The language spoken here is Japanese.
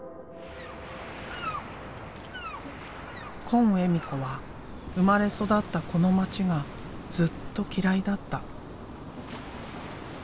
今恵美子は生まれ育ったこの町がずっと嫌いだった。